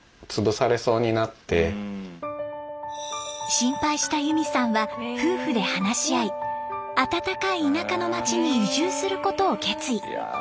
心配したゆみさんは夫婦で話し合いあたたかい田舎の町に移住することを決意。